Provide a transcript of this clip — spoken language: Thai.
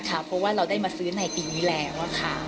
เพราะว่าเราได้มาซื้อในปีนี้แล้วค่ะ